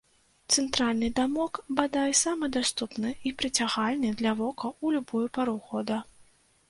Цэнтральны дамок, бадай, самы даступны і прыцягальны для вока ў любую пару года.